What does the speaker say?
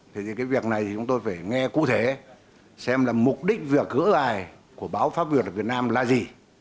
thế thì cái việc này thì chúng tôi phải nghe cụ thể xem là mục đích việc gỡ gài của báo pháp luật ở việt nam là gì